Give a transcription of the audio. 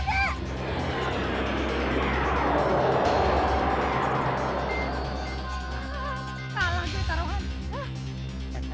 kalah dek taruhan